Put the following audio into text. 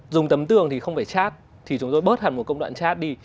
dùng tấm tường thì không phải chát thì chúng tôi bớt hẳn một công đoạn chát đi